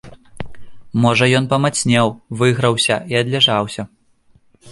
Можа ён памацнеў, выграўся і адлежаўся.